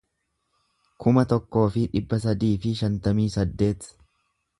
kuma tokkoo fi dhibba sadii fi shantamii saddeet